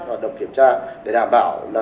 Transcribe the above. hoạt động kiểm tra để đảm bảo